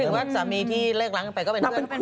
ว่าสามีที่เลิกล้างกันไปก็เป็นเพื่อน